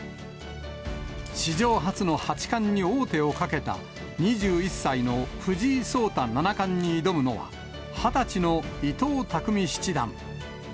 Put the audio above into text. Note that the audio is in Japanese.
史上初の八冠に王手をかけた２１歳の藤井聡太七冠に挑むのは、２０歳の伊藤匠七段。